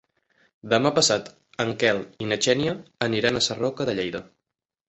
Demà passat en Quel i na Xènia aniran a Sarroca de Lleida.